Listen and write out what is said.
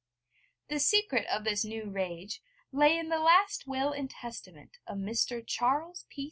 The secret of this new rage lay in the last will and testament of Mr. Charles P.